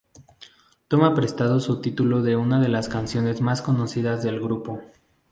Toma prestado su título de una de las canciones más conocidas del grupo.